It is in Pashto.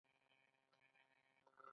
پروتون د اتوم په مرکز کې وي.